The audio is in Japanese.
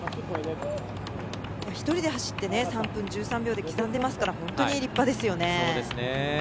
１人で走って３分１３秒で刻んでますから本当に立派ですよね。